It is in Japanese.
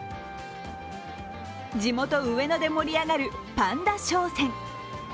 地元・上野で盛り上がるパンダ商戦。